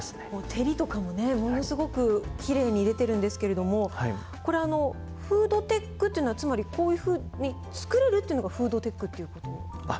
照りとかもねものすごくきれいに出てるんですけれどもこれフードテックっていうのはつまりこういうふうに作れるっていうのがフードテックっていう事なんですか？